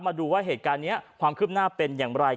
มาดูว่าเหตุการณ์นี้ความคืบหน้าเป็นอย่างไร